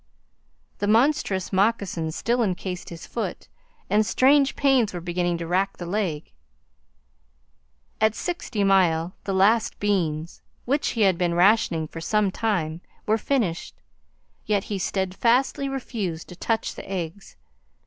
The monstrous moccasin still incased his foot, and strange pains were beginning to rack the leg. At Sixty Mile, the last beans, which he had been rationing for some time, were finished; yet he steadfastly refused to touch the eggs.